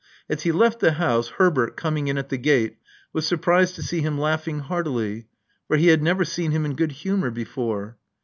As he left the house, Herbert, coming in at the gate, was surprised to see him laughing heartily; for he had never seen him in good humor before.